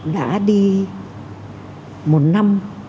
đã đi một năm